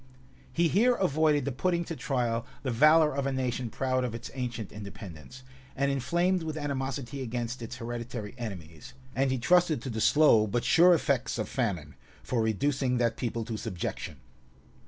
He here avoided the putting to trial the valor of a nation proud of its ancient independence, and inflamed with animosity against its hereditary enemies; and he trusted to the slow, but sure effects of famine, for reducing that people to subjection.